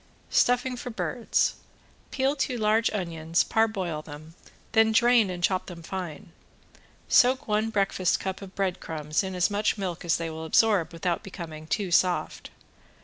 ~STUFFING FOR BIRDS~ Peel two large onions, parboil them, then drain and chop them fine. Soak one breakfast cup of bread crumbs in as much milk as they will absorb without becoming too soft.